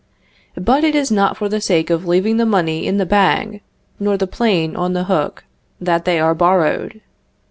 But it is not for the sake of leaving the money in the bag, nor the plane on the hook, that they are borrowed.